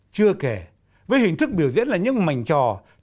chưa kể với hình thức biểu diễn là những mảnh trò độc đáo